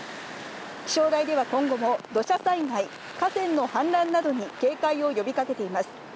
気象台では今後も土砂災害、河川の氾濫などに警戒を呼びかけています。